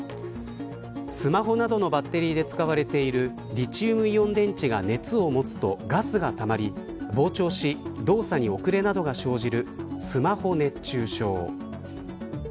スマホなどのバッテリーで使われているリチウムイオン電池が熱を持つとガスがたまり膨張し動作に遅れなどが生じるスマホ熱中症。